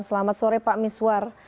selamat sore pak miswar